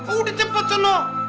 udah cepet seno